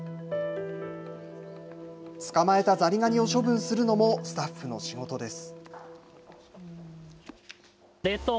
捕まえたザリガニを処分するのもスタッフの仕事です。